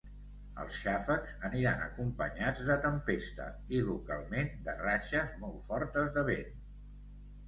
Els xàfecs aniran acompanyats de tempesta i localment de ratxes molt fortes de vent.